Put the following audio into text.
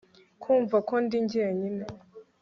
Kumva ko ndi jyenyine